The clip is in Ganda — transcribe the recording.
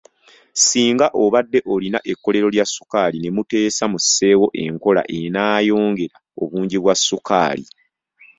Singa obadde olina ekkolero lya ssukaali ne muteesa musseewo enkola enaayongera obungi bwa ssukaali.